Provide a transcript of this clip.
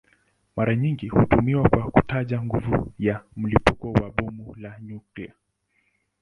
Mara nyingi hutumiwa kwa kutaja nguvu ya mlipuko wa bomu la nyuklia.